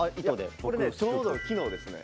これねちょうど昨日ですね